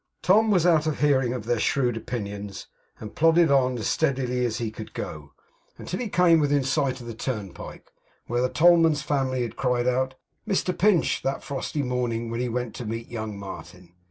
Tom was out of hearing of their shrewd opinions, and plodded on as steadily as he could go, until he came within sight of the turnpike where the tollman's family had cried out 'Mr Pinch!' that frosty morning, when he went to meet young Martin.